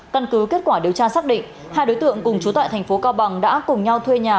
căn cứ kết quả điều tra xác định hai đối tượng cùng chú tại thành phố cao bằng đã cùng nhau thuê nhà